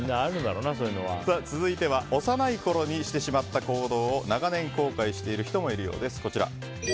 続いては幼いころにしてしまった行動を長年後悔している人もいるようです。